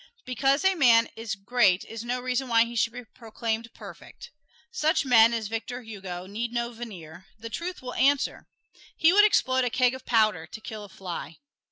Because a man is great is no reason why he should be proclaimed perfect. Such men as Victor Hugo need no veneer the truth will answer: he would explode a keg of powder to kill a fly.